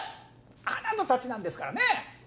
あなたたちなんですからね！